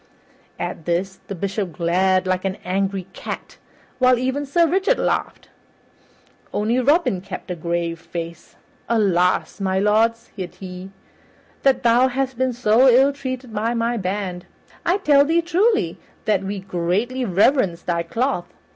At this, the Bishop glared like an angry cat, while even Sir Richard laughed; only Robin kept a grave face. "Alas! my lord," said he, "that thou hast been so ill treated by my band! I tell thee truly that we greatly reverence thy cloth.